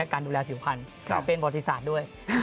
การดูแลผิวพันธุ์เป็นประวัติศาสตร์ด้วย